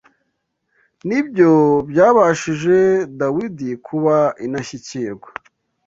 ni byo byabashishije Dawidi kuba intashyikirwa